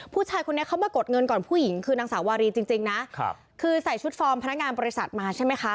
ผู้ชายคนนี้เขามากดเงินก่อนผู้หญิงคือนางสาววารีจริงนะครับคือใส่ชุดฟอร์มพนักงานบริษัทมาใช่ไหมคะ